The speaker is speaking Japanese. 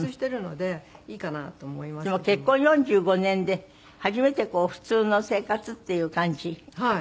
でも結婚４５年で初めて普通の生活っていう感じ？はい。